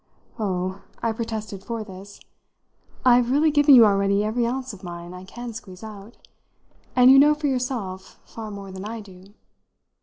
"Oh," I protested for this, "I've really given you already every ounce of mine I can squeeze out. And you know for yourself far more than I do."